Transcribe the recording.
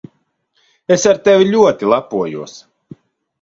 Es ar tevi ļoti lepojos.